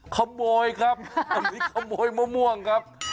ขโมยครับอันนี้ขโมยมะม่วงครับ